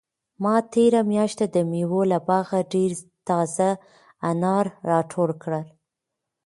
ما تېره میاشت د مېوو له باغه ډېر تازه انار راټول کړل.